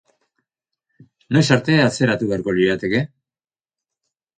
Noiz arte atzeratu beharko lirateke?